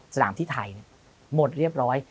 สถานที่ไทยหมดเรียบร้อย